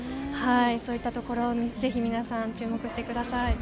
そういったところを注目してください。